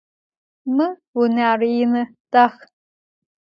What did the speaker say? Mı vuner yinı, dax.